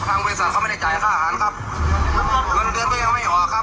บริษัทเขาไม่ได้จ่ายค่าอาหารครับเงินเดือนก็ยังไม่ออกครับ